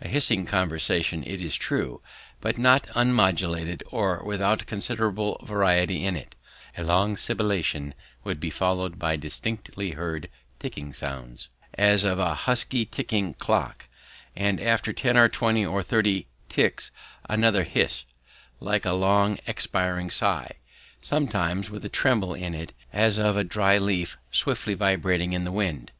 A hissing conversation it is true, but not unmodulated or without considerable variety in it; a long sibilation would be followed by distinctly heard ticking sounds, as of a husky ticking clock, and after ten or twenty or thirty ticks another hiss, like a long expiring sigh, sometimes with a tremble in it as of a dry leaf swiftly vibrating in the wind.